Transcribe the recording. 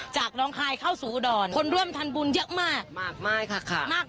จากน้องคายเข้าสูอุดรคนร่วมทันบุญเยอะมาก